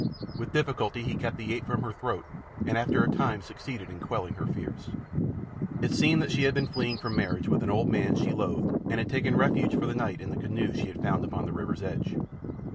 With difficulty he kept the ape from her throat, and after a time succeeded in quelling her fears. It seemed that she had been fleeing from marriage with an old man she loathed and had taken refuge for the night in the canoe she had found upon the river's edge.